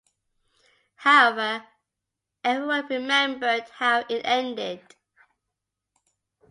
However, everyone remembered how it ended.